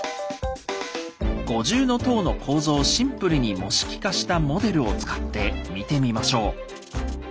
五重塔の構造をシンプルに模式化したモデルを使って見てみましょう。